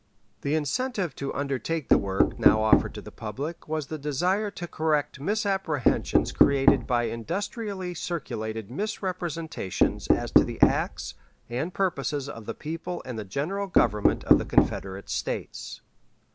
The incentive to undertake the work now offered to the public was the desire to correct misapprehensions created by industriously circulated misrepresentations as to the acts and purposes of the people and the General Government of the Confederate States.